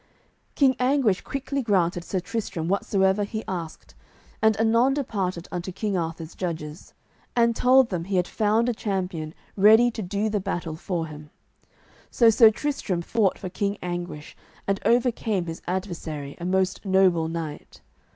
King Anguish quickly granted Sir Tristram whatsoever he asked, and anon departed unto King Arthur's judges, and told them he had found a champion ready to do the battle for him. So Sir Tristram fought for King Anguish and overcame his adversary, a most noble knight.